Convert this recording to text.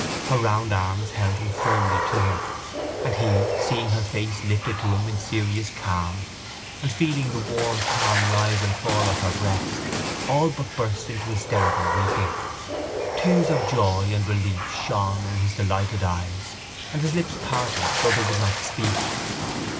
Her round arms held him firmly to her and he, seeing her face lifted to him in serious calm and feeling the warm calm rise and fall of her breast, all but burst into hysterical weeping. Tears of joy and relief shone in his delighted eyes and his lips parted though they would not speak.